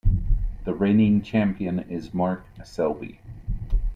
The reigning champion is Mark Selby.